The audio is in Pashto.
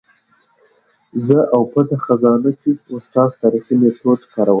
زه او پټه خزانه کې استاد تاریخي میتود کارولی.